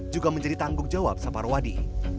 juga menjadi tanggung jawab sapar wadi